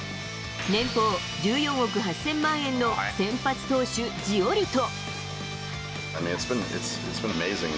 年俸１４億８０００万円の先発投手、ジオリト。